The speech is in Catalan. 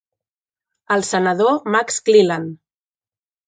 El senador Max Cleland.